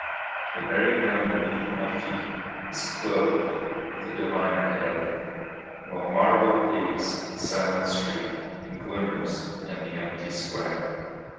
The very ground beneath my feet Is clothed with a diviner air; While marble paves the silent street And glimmers in the empty square.